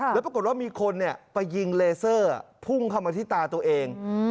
แล้วปรากฏว่ามีคนไปยิงเลเซอร์พุ่งเข้ามาที่ตาตัวเอง